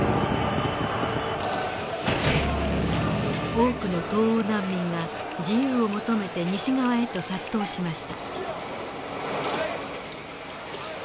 多くの東欧難民が自由を求めて西側へと殺到しました。